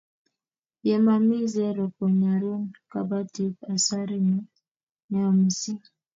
ye mami zero konyorun kabatik asaret neo mising